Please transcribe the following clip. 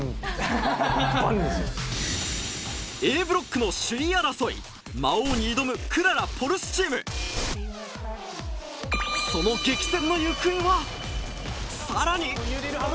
Ａブロックの首位争い魔王に挑むくらら・ポルスチームその激戦の行方はさらに！